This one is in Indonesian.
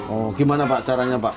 oh gimana pak caranya pak